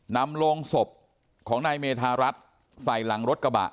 นำโรงศพของนายเมธารัฐใส่หลังรถกระบะ